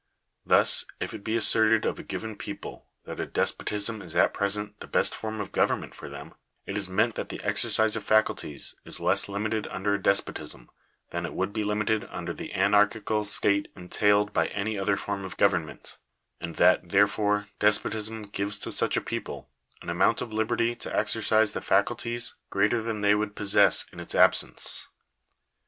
Thus, if it be asserted of a given people that a despotism is at present the best form of government for them, it is meant that the exercise of faculties is less limited under a despotism, than it would be limited under the anarchical state entailed by any other form of government ; and that, therefore, despotism gives to such a people an amount of liberty to exercise the faculties greater than they would possess in its absence.